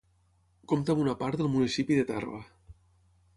Compta amb una part del municipi de Tarba.